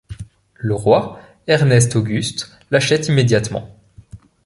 Le roi Ernest-Auguste l'achète immédiatement.